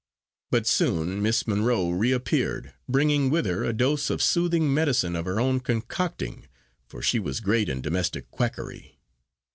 But soon Miss Monro reappeared, bringing with her a dose of soothing medicine of her own concocting, for she was great in domestic quackery.